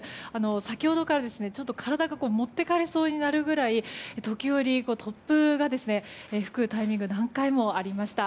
先ほどから、体が持っていかれそうになるくらい時折、突風が吹くタイミングが何回もありました。